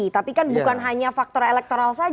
tapi kan bukan hanya faktor elektoral saja